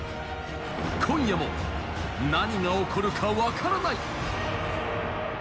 今夜も何が起こるか分からない。